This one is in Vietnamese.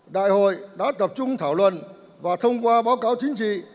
đại hội đã tập trung thảo luận và thông qua báo cáo chính trị